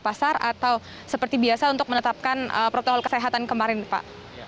pasar atau seperti biasa untuk menetapkan protokol kesehatan kemarin pak